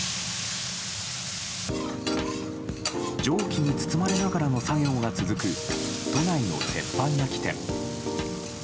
蒸気に包まれながらの作業が続く都内の鉄板焼き店。